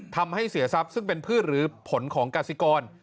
ทำให้เสียทรัพย์ซึ่งเป็นพืชหรือผลของกสิกร